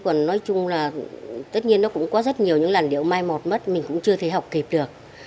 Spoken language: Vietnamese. còn nói chung là tất nhiên nó cũng có rất nhiều những làn điệu mai một mất mình cũng chưa thể học kịp được